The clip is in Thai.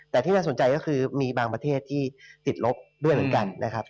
แต่ที่น่าสนใจก็คือมีบางประเทศที่ติดลบด้วยเหมือนกันนะครับ